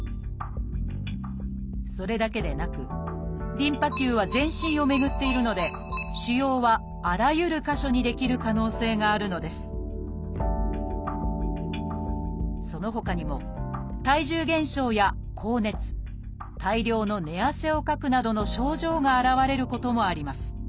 それだけでなくリンパ球は全身を巡っているので腫瘍はあらゆる箇所に出来る可能性があるのですそのほかにもなどの症状が現れることもあります。